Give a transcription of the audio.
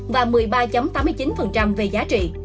và một mươi ba tám mươi chín về giá trị